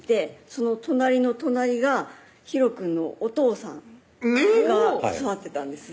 その隣の隣がひろくんのお父さんが座ってたんです